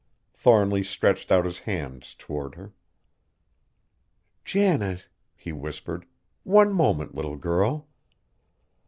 Thornly stretched out his hands toward her. "Janet!" he whispered. "One moment, little girl!"